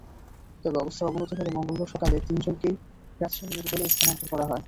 তবে অবস্থার অবনতি হলে মঙ্গলবার সকালে তিনজনকেই রাজশাহী মেডিকেলে স্থানান্তর করা হয়।